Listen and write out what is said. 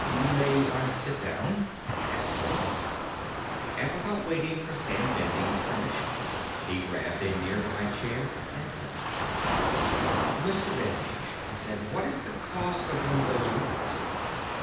"May I sit down?" asked Olcott. And, without waiting for Sam Bending's permission, he grabbed a nearby chair and sat. "Mr. Bending," he said, "what is the cost of one of those units?"